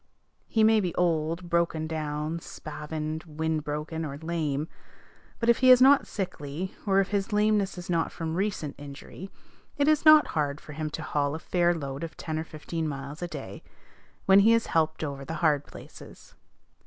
He may be old, broken down, spavined, wind broken, or lame; but if he is not sickly, or if his lameness is not from recent injury, it is not hard for him to haul a fair load ten or fifteen miles a day, when he is helped over the hard places.